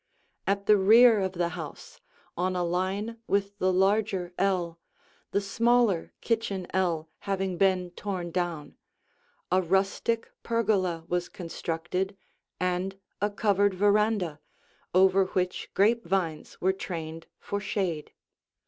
At the rear of the house, on a line with the larger ell, the smaller kitchen ell having been torn down, a rustic pergola was constructed and a covered veranda, over which grape vines were trained for shade.